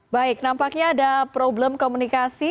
baik nampaknya ada problem komunikasi